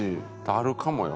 あるかもよ。